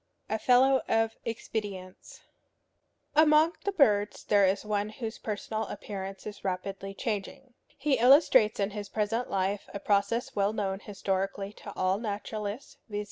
XI. A FELLOW OF EXPEDIENTS. Among the birds there is one whose personal appearance is rapidly changing. He illustrates in his present life a process well known historically to all naturalists, viz.